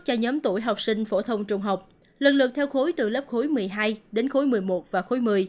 cho nhóm tuổi học sinh phổ thông trung học lần lượt theo khối từ lớp khối một mươi hai đến khối một mươi một và khối một mươi